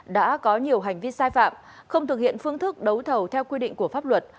đã có nhiều hành vi sai phạm không thực hiện phương thức đấu thầu theo quy định của pháp luật